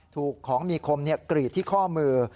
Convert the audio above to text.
ถูกของมีคมกรีดที่ข้อมือ